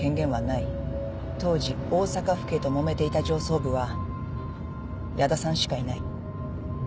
当時大阪府警ともめていた上層部は屋田さんしかいない。